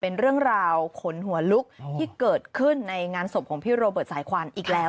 เป็นเรื่องราวขนหัวลุกที่เกิดขึ้นในงานศพของพี่โรเบิร์ตสายควันอีกแล้ว